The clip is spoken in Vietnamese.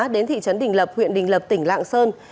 đến thị trấn đình lập huyện đình lập tỉnh lạng sơn